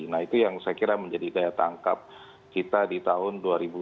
nah itu yang saya kira menjadi daya tangkap kita di tahun dua ribu dua puluh